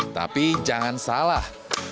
tapi jangan salah